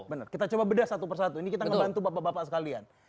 benar kita coba bedah satu persatu ini kita ngebantu bapak bapak sekalian